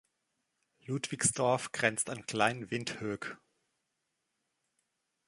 Ludwigsdorf grenzt an Klein Windhoek.